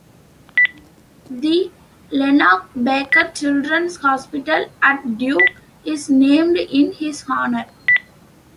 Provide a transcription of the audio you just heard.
The Lenox Baker Children's Hospital at Duke is named in his honor.